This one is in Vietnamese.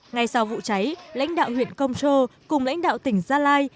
ngay sau vụ cháy lãnh đạo huyện kongcho cùng lãnh đạo tỉnh gia lai